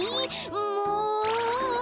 もう！